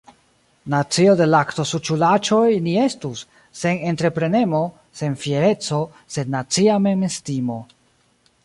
Nacio de laktosuĉulaĉoj ni estus, sen entreprenemo, sen fiereco, sen nacia memestimo.